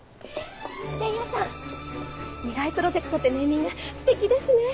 伝弥さん未来プロジェクトってネーミングステキですね！